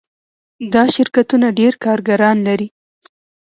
دا شرکتونه ډیر کارګران لري.